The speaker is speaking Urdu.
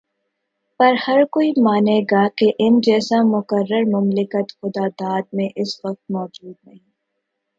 پر ہرکوئی مانے گا کہ ان جیسا مقرر مملکت خداداد میں اس وقت موجود نہیں۔